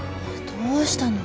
どうしたの？